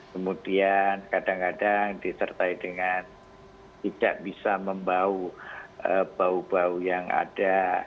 kemudian kadang kadang disertai dengan tidak bisa membau bau bau yang ada